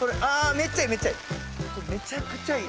めっちゃいいめっちゃいい。